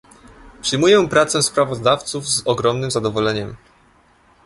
Przyjmuję pracę sprawozdawców z ogromnym zadowoleniem